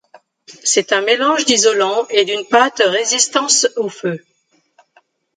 C’est un mélange d’isolant et d’une pâte résistance au feu.